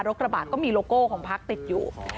กระบะก็มีโลโก้ของพักติดอยู่